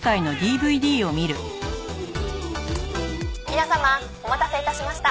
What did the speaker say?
「皆様お待たせ致しました」